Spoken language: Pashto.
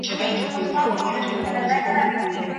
د هرات صنعت کي بازار څنګه موندل کېږي؟